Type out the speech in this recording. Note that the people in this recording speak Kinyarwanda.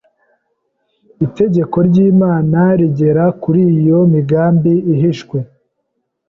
Itegeko ry’Imana rigera kuri iyo migambi ihishwe,